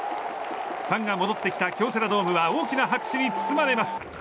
ファンが戻ってきた京セラドームは大きな拍手に包まれます。